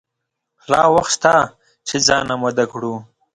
لا وخت شته چې ځان آمده کړو.